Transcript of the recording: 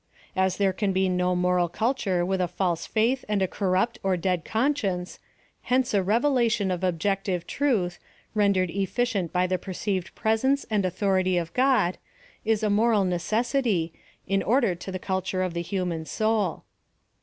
As there can be no moral culture with a false faith and a corrupt or dead conscience, hence a revelation of objective Truth, rendered cfUcrient by the perceived presence and authority of God, is a moral necessity ^ in order to the culture of the human soul.